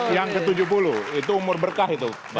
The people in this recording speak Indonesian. yang ke tujuh puluh itu umur berkah itu